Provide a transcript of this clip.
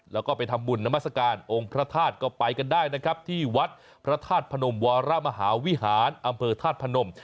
แล้วก็ไปทำบุญนามัศกาลองค์พระธาตุก็ไปกันได้นะครับที่วัดพระธาตุพนมวรมหาวิหารอำเภอธาตุพนม